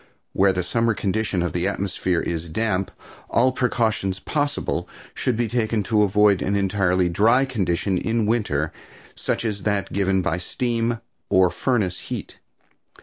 Where the summer condition of the atmosphere is damp all precautions possible should be taken to avoid an entirely dry condition in winter, such as that given by steam or furnace heat.